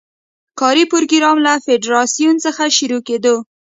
کاري پروګرام له فدراسیون څخه شروع کېدو.